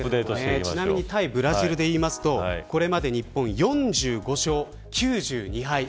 ちなみに対ブラジルで言うとこれまで日本４５勝９２敗。